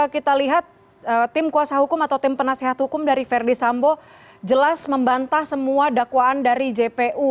kita lihat tim kuasa hukum atau tim penasehat hukum dari verdi sambo jelas membantah semua dakwaan dari jpu